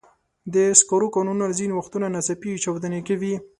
د سکرو کانونه ځینې وختونه ناڅاپي چاودنې کوي.